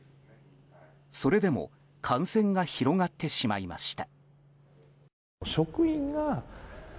それでも感染が広がってしまいました。